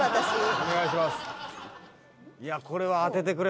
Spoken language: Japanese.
「お願いします！」